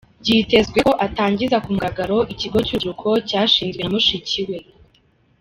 Byitezwe ko atangiza ku mugaragaro ikigo cy'urubyiruko cyashinzwe na mushiki we.